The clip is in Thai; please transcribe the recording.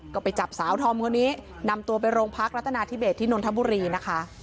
ก็ไปจับสาวธอมคนนี้นำตัวไปโรงพักรัฐนาธิเบสที่นนทบุรีนะคะ